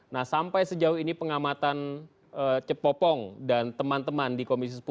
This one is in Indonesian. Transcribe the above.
nah sampai sejauh ini pengamatan cepopong dan teman teman di komisi sepuluh